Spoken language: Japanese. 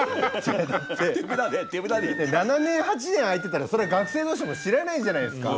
７年８年空いてたらそりゃ学生の人も知らないじゃないですか。